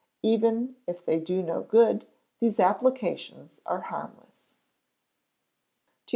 Even if they do no good, these applications are harmless. 2420.